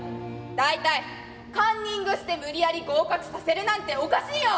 大体カンニングして無理やり合格させるなんておかしいよ！」。